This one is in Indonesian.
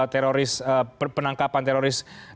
teroris penangkapan teroris